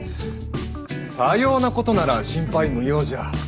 さようなことなら心配無用じゃ。